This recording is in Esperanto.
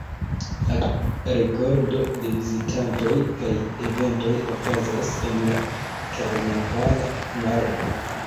La rekordo de vizitantoj kaj eventoj okazas en la karnavala mardo.